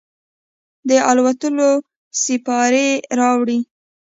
د الوتلو سیپارې راوړي